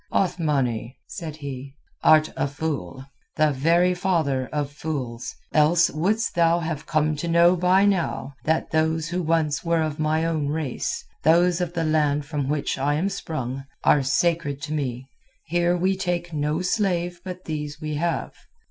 "Othmani," said he, "art a fool, the very father of fools, else wouldst thou have come to know by now that those who once were of my own race, those of the land from which I am sprung, are sacred to me. Here we take no slave but these we have.